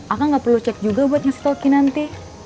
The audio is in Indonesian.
akang gak perlu cek juga buat ngasih tau kinanti